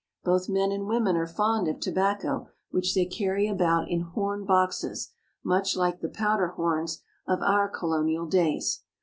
Both men and women are fond of tobacco, which they carry about in horn boxes much like the powderhorns of our colonial days.